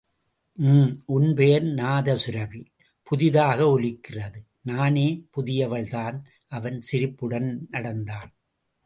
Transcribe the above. ம்... உன் பெயர்? நாதசுரபி!.. புதிதாக ஒலிக்கிறது! நானே புதியவள்தான்! அவன் சிரிப்புடன் நடந்தான்.